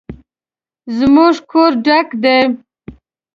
زموږ کور ډک دی